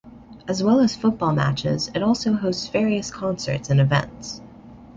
As well as football matches, it also hosts various concerts and events.